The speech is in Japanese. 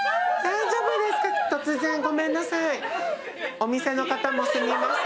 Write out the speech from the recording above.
お店の方もすみません